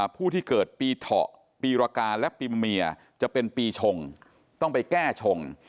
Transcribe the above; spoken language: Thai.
ผู้ที่เกิดปีเถาะปีรกาและปีมะเมียจะเป็นปีชงต้องไปแก้ชง